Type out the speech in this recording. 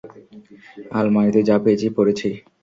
আলমারিতে যা পেয়েছি, পরেছি।